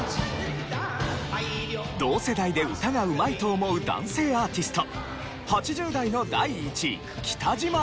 同世代で歌がうまいと思う男性アーティスト。